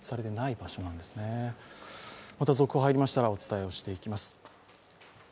また続報が入りましたらお伝えしていきます。